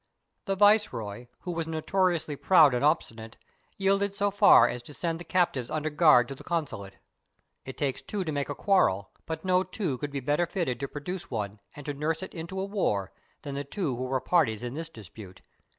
The viceroy, who was notoriously proud and obstinate, yielded so far as to send the captives under guard to the consulate. It takes two to make a quarrel, but no two could be better fitted to produce one and to nurse it into a war than the two who were parties in this dispute.